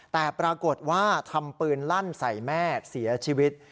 แต่ปรากฏว่าทำปืนลั่นใส่แม่เสียชีวิต